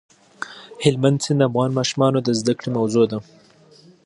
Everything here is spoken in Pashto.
هلمند سیند د افغان ماشومانو د زده کړې موضوع ده.